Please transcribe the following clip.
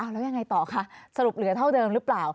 แล้วยังไงต่อคะสรุปเหลือเท่าเดิมหรือเปล่า